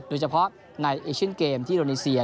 โดยเฉพาะในเอชั่นเกมที่โรนีเซีย